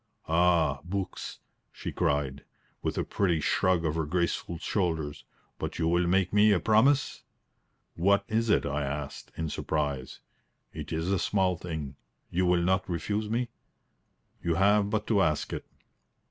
"Ah, books!" she cried, with a pretty shrug of her graceful shoulders. "But you will make me a promise?" "What is it?" I asked, in surprise. "It is a small thing. You will not refuse me?" "You have but to ask it."